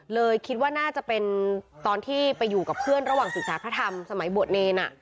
เลยคิดว่าน่าจะเป็นตอนที่ไปอยู่กับเพื่อนระหว่างศึกษาพระธรรมสมัยบวชเนร